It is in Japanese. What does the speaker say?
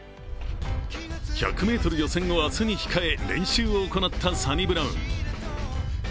１００ｍ予選を明日に控え、練習を行ったサニブラウン。